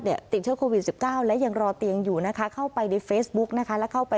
เห็นกรณีแบบนี้ได้รับการแป้งแก้ปัญหาเรายินดีมากนะคะที่จะช่วยนะคะ